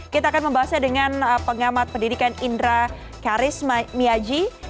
kita akan membahasnya dengan pengamat pendidikan indra karis miaji